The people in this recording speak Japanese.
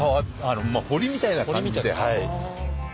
堀みたいな感じで。